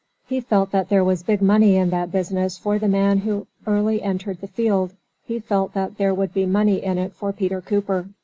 He felt that there was big money in that business for the man who early entered the field; he felt that there would be money in it for Peter Cooper.